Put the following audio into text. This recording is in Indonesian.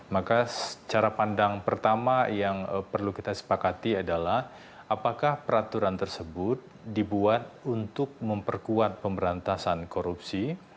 maka cara pandang pertama yang perlu kita sepakati adalah apakah peraturan tersebut dibuat untuk memperkuat pemberantasan korupsi